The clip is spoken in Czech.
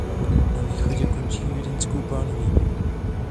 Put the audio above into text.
Na východě končí Vídeňskou pánví.